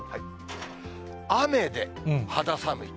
雨で肌寒い。